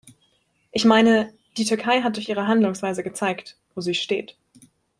Ich meine, die Türkei hat durch ihre Handlungsweise gezeigt, wo sie steht.